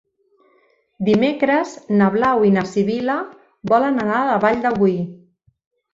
Dimecres na Blau i na Sibil·la volen anar a la Vall de Boí.